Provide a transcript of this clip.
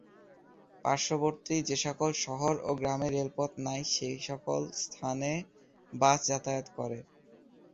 পার্শ্ববর্তী যে সকল শহর ও গ্রামে রেলপথ নেই সে সকল স্থানে বাস যাতায়াত করে।